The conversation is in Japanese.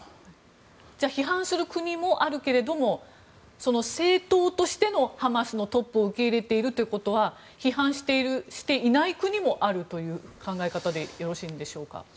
じゃあ批判する国もあるけれども政党としてのハマスのトップを受け入れているということは批判していない国もあるという考え方でよろしいんでしょうか？